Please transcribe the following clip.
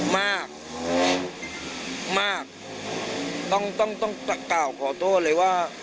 มากมากต้องต้องกล่าวขอโทษเลยว่า